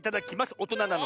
おとななのでね。